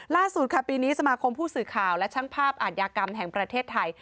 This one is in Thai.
ล่าสุดค่ะปีนี้สมาคมผู้สื่อข่าวและช่างภาพอาทยากรรมแห่งประเทศไทย